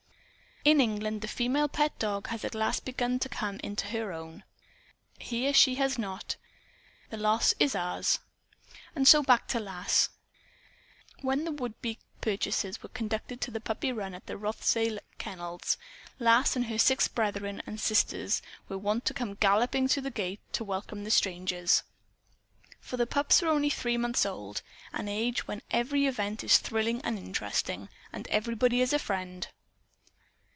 In England the female pet dog has at last begun to come into her own. Here she has not. The loss is ours. And so back to Lass. When would be purchasers were conducted to the puppy run at the Rothsay kennels, Lass and her six brethren and sisters were wont to come galloping to the gate to welcome the strangers. For the pups were only three months old an age when every event is thrillingly interesting, and everybody is a friend.